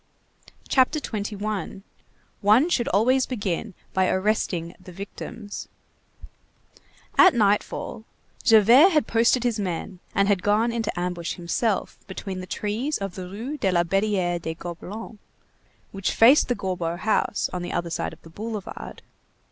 CHAPTER XXI—ONE SHOULD ALWAYS BEGIN BY ARRESTING THE VICTIMS At nightfall, Javert had posted his men and had gone into ambush himself between the trees of the Rue de la Barrière des Gobelins which faced the Gorbeau house, on the other side of the boulevard.